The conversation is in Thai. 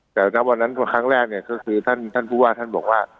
แต่ณวันนั้นครั้งแรกเนี่ยก็คือท่านผู้ว่าท่านบอกว่า